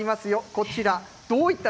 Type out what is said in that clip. こちら。